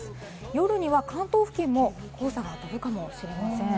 夜には関東付近も黄砂が飛ぶかもしれません。